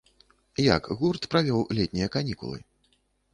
Як гурт правёў летнія канікулы?